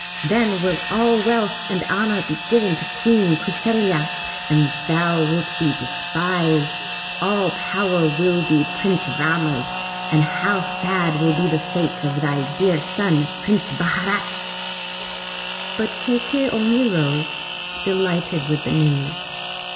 Then will all wealth and honor be given to Queen Kau saFya, and thou wilt be despised. All power will be Prince Rama's, and how sad will be the fate of thy dear son. Prince Bharat!" But Kai key'i only rose, delighted with the news.